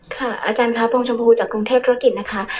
ค่ะอาจารย์ค่ะพรงชมภูจากกรุงเทพฯธุรกิจนะคะ